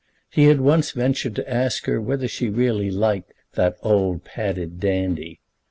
He had once ventured to ask her whether she really liked "that old padded dandy."